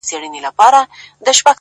• چي موږ ډېر یو تر شمېره تر حسابونو,